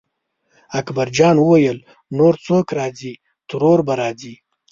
اکبرجان وویل نور څوک راځي ترور به راځي.